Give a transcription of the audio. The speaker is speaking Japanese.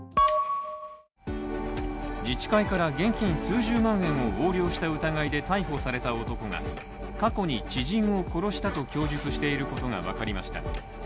自治会から現金数十万円を横領した疑いで逮捕された男が、過去に知人を殺したと供述していることが分かりました。